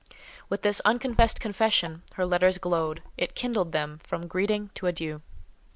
With this unconfessed confession, her letters glowed; it kindled them, from greeting to adieu.